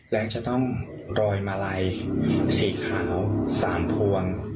จะต้องรอยมาลัยสีขาว๓พวง